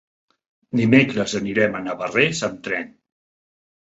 Dimecres anirem a Navarrés amb tren.